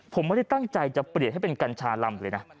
ผมไม่ได้ตั้งใจจะเปลี่ยนให้เป็นกัญชาลำเลยนะ